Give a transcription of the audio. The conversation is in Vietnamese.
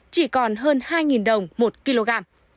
chỉ còn hơn hai đồng một kg